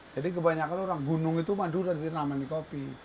jadi kebanyakan orang gunung itu madura dari nama kopi